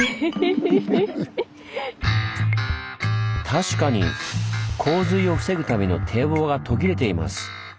確かに洪水を防ぐための堤防が途切れています。